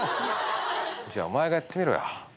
じゃあお前がやってみろよ。